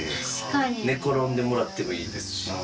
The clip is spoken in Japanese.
寝転んでもらってもいいですし。